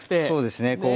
そうですね